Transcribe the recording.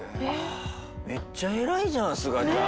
めっちゃ偉いじゃんすがちゃん。